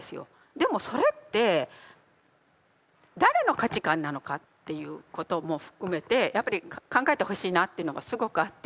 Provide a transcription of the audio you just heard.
でもそれって誰の価値観なのかということも含めてやっぱり考えてほしいなっていうのがすごくあって。